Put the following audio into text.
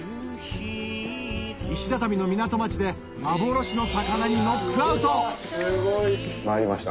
石畳の港町で幻の魚にノックアウト参りました。